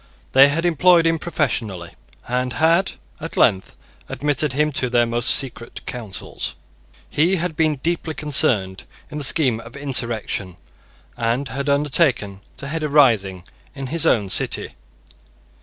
They had employed him professionally, and had, at length, admitted him to their most secret counsels. He had been deeply concerned in the scheme of insurrection, and had undertaken to head a rising in his own city.